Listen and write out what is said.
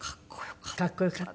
かっこよかった？